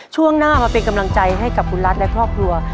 ช่วงหน้ามาเป็นกำลังใจให้กับคุณรัฐและครอบครัว